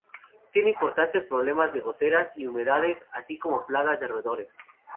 Tiene importantes problemas de goteras y humedades, así como plagas de roedores.